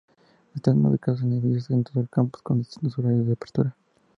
Están ubicados en edificios en todo el campus con distintos horarios de apertura.